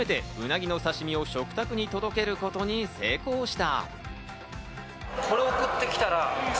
全国で初めて、うなぎの刺し身を食卓に届けることに成功した。